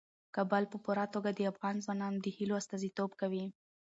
کابل په پوره توګه د افغان ځوانانو د هیلو استازیتوب کوي.